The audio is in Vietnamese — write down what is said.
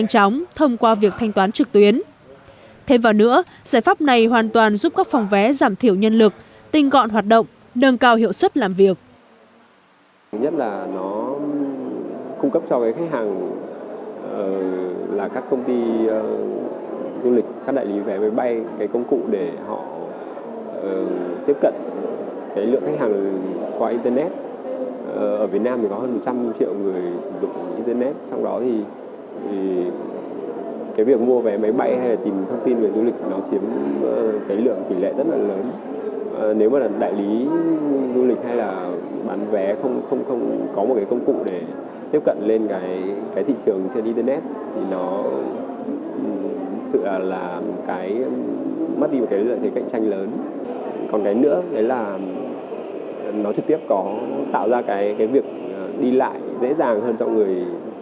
còn cái nữa đấy là nó trực tiếp có tạo ra cái việc đi lại dễ dàng hơn cho người cho người dùng cho xã hội